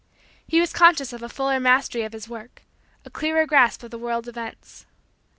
He was conscious of a fuller mastery of his work; a clearer grasp of the world events.